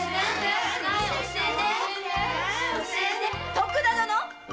徳田殿っ！